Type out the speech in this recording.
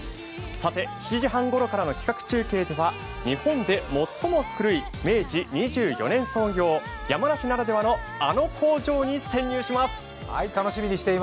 さて７時半ごろからの企画中継では日本で最も古い明治２４年創業、山梨ならではのあの工場に潜入します。